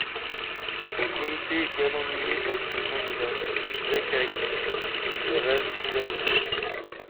Son comité est bien ennuyé par son candidat, Zachary Hicks, qui se rêve gouverneur.